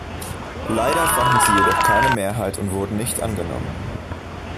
Leider fanden sie jedoch keine Mehrheit und wurden nicht angenommen.